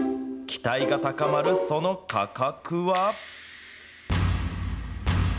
期待が高まるその価格は？